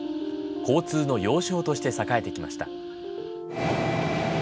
交通の要衝として栄えてきました。